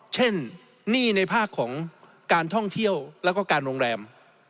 หนี้ในภาคของการท่องเที่ยวแล้วก็การโรงแรม